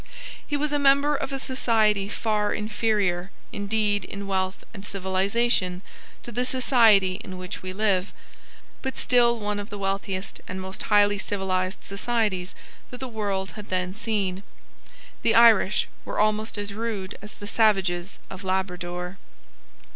He was a member of a society far inferior, indeed, in wealth and civilisation, to the society in which we live, but still one of the wealthiest and most highly civilised societies that the world had then seen: the Irish were almost as rude as the savages of Labrador.